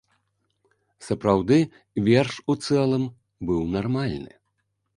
Сапраўды, верш у цэлым быў нармальны.